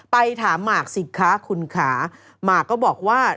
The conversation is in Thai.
ไปถามมาร์กสิทธิ์ค้าคุณขามาร์กก็บอกว่า